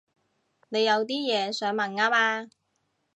你有啲嘢想問吖嘛